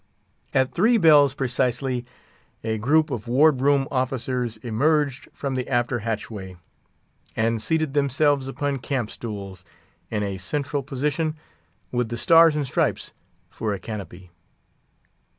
At three bells precisely a group of ward room officers emerged from the after hatchway, and seated themselves upon camp stools, in a central position, with the stars and stripes for a canopy.